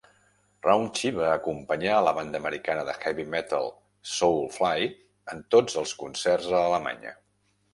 Raunchy va acompanyar la banda americana de heavy metal Soulfly en tots els concerts a Alemanya.